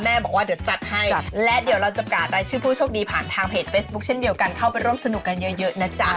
บอกว่าเดี๋ยวจัดให้และเดี๋ยวเราจะประกาศรายชื่อผู้โชคดีผ่านทางเพจเฟซบุ๊คเช่นเดียวกันเข้าไปร่วมสนุกกันเยอะนะจ๊ะ